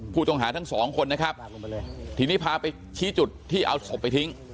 ผู้ต้องหาทั้งสองคนนะครับทีนี้พาไปชี้จุดที่เอาศพไปทิ้ง